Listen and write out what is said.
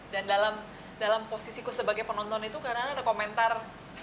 dan dalam posisiku sebagai penonton itu kadang kadang ada komentar